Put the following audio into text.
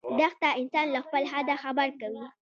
دښته انسان له خپل حده خبر کوي.